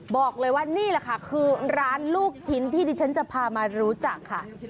บอกเลยว่านี่แหละค่ะคือร้านลูกชิ้นที่ดิฉันจะพามารู้จักค่ะ